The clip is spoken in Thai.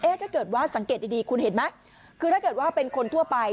ถ้าเกิดว่าสังเกตดีคุณเห็นไหมคือถ้าเกิดว่าเป็นคนทั่วไป